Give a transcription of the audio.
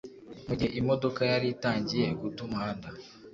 Mu gihe imodoka yari itangiye guta umuhanda